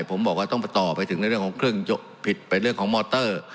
ผมบอกว่าต้องไปต่อไปถึงในเรื่องของเครื่องผิดไปเรื่องของมอเตอร์